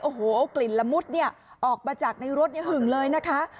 โอ้โหกลิ่นละมุดออกมาจากในรถหึงเลยนะคะ